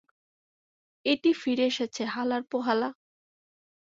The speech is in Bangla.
এটি ফিরে এসেছে - হালার পো হালা!